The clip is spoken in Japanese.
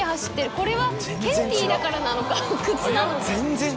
これはケンティーだからなのか靴なのか。